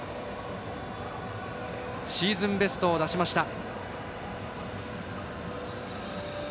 シーズンベストを出しました。